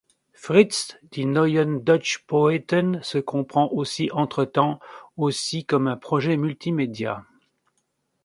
Fritz - Die Neuen DeutschPoeten se comprend aussi entre-temps aussi comme un projet multimédia.